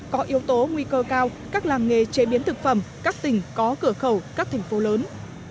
có yếu tố nguy cơ cao các làng nghề chế biến thực phẩm các tỉnh có cửa khẩu các thành phố lớn